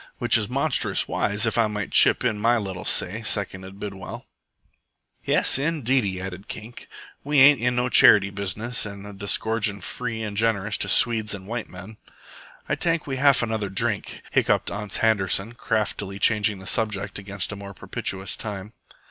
"Which is monstrous wise if I might chip in my little say," seconded Bidwell. "Yes, indeedy," added Kink. "We ain't in no charity business a disgorgin' free an' generous to Swedes an' white men." "Ay tank we haf another drink," hiccoughed Ans Handerson, craftily changing the subject against a more propitious time.